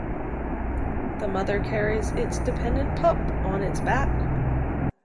The mother carries its dependent pup on its back.